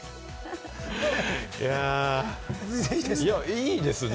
いいですね。